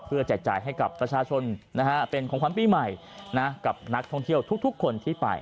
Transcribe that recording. แจกจ่ายให้กับประชาชนนะฮะเป็นของขวัญปีใหม่กับนักท่องเที่ยวทุกคนที่ไป